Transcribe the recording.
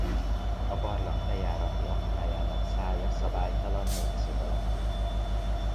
A barlang bejárati aknájának szája szabálytalan négyszög alakú.